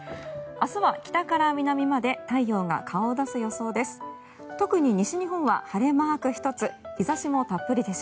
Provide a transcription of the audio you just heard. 明日は北から南まで太陽が顔を出す予想です。